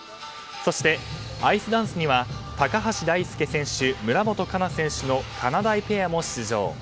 そしてアイスダンスには高橋大輔選手、村元哉中選手カナダイペアも出場。